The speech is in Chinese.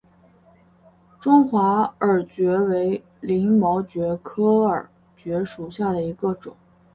中华耳蕨为鳞毛蕨科耳蕨属下的一个种。